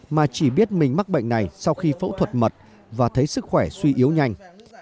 mà chỉ biết mình mắc bệnh này sau khi phẫu thuật mật và thấy sức khỏe suy yếu nhanh